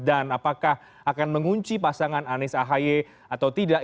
dan apakah akan mengunci pasangan anies ahj atau tidak